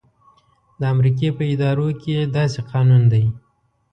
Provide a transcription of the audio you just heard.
د امریکې په ادارو کې داسې قانون دی.